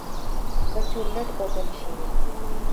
به چورلټ بدل شي.